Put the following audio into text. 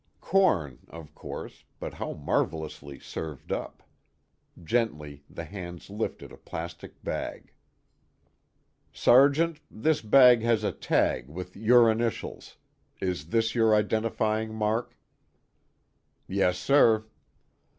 Corn, of course, but how marvelously served up! Gently the hands lifted a plastic bag. "Sergeant, this bag has a tag with your initials is this your identifying mark?" "Yes, sir."